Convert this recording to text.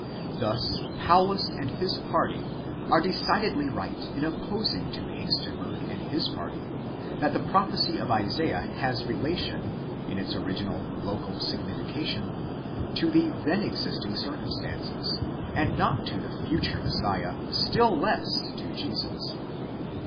Thus Paulus and his party are decidedly right in opposing to Hengsten berg and his party, that the prophecy of Isaiah has relation, in its original local signification, to the then existing circumstances, and not to the future Messiah, still less to Jesus.